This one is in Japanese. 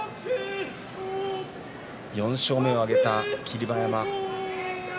４勝目を挙げた霧馬山。